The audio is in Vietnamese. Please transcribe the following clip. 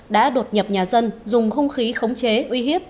đã đột nhập nhà dân dùng hung khí khống chế uy hiếp